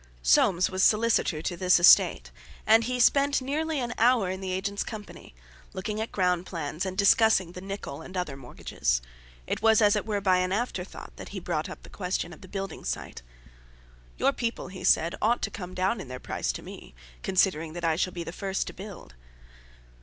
Soames was solicitor to this estate, and he spent nearly an hour in the agent's company, looking at ground plans and discussing the Nicholl and other mortgages; it was as it were by an afterthought that he brought up the question of the building site. "Your people," he said, "ought to come down in their price to me, considering that I shall be the first to build."